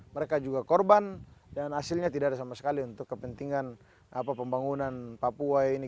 mereka juga korban dan hasilnya tidak ada sama sekali untuk kepentingan pembangunan papua ini